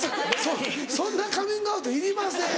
そんなカミングアウトいりません。